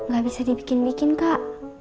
gak bisa dibikin bikin kak